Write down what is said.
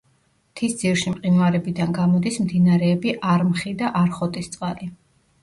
მთის ძირში მყინვარებიდან გამოდის მდინარეები არმხი და არხოტისწყალი.